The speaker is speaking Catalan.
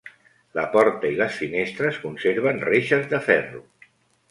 La porta i les finestres conserven reixes de ferro.